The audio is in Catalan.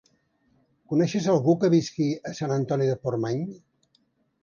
Coneixes algú que visqui a Sant Antoni de Portmany?